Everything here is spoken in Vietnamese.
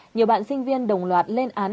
nhiều bạn sinh viên đồng loạt lên án